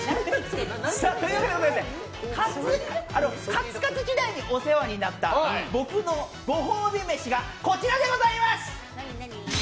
さあ、というわけでカツカツ時代にお世話になった僕のご褒美飯がこちらでございます！